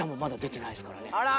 あら！